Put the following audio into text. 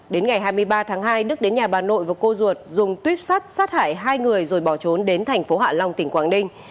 đến ngày hai mươi ba tháng hai đức đến nhà bà nội và cô ruột dùng tuyếp sắt sát hải hai người rồi bỏ trốn đến thành phố hạ long tỉnh quảng ninh